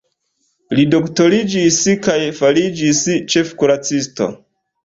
Li doktoriĝis kaj fariĝis ĉefkuracisto.